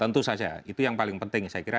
tentu saja itu yang paling penting saya kira